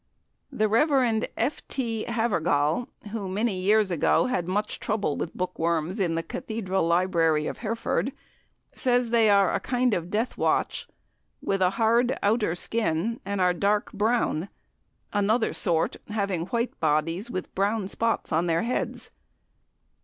The, Rev. F. T. Havergal, who many years ago had much trouble with bookworms in the Cathedral Library of Hereford, says they are a kind of death watch, with a "hard outer skin, and are dark brown," another sort "having white bodies with brown spots on their heads."